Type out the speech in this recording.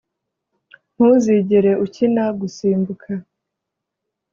ntuzigere ukina gusimbuka